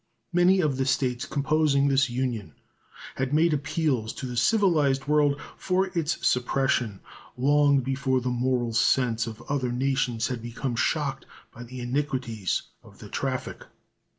Many of the States composing this Union had made appeals to the civilized world for its suppression long before the moral sense of other nations had become shocked by the iniquities of the traffic.